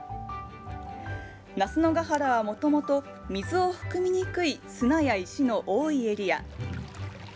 那須野が原はもともと、水を含みにくい砂や石の多いエリア。